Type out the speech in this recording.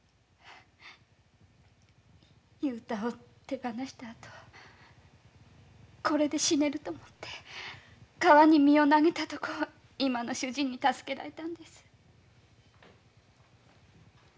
雄太を手放したあとこれで死ねると思って川に身を投げたとこを今の主人に助けられたんです。